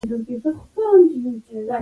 څو قلمونه دې وپېرل.